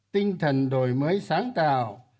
tinh thần đổi mới sáng tạo